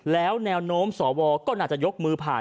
แล้วแนวโน้มสวก็น่าจะยกมือผ่าน